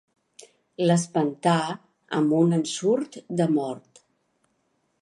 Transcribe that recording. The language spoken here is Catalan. L'espantà amb un ensurt de mort.